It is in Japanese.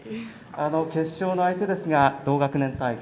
決勝の相手ですが、同学年対決。